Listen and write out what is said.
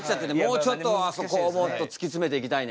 もうちょっとあそこをもっと突き詰めていきたいね。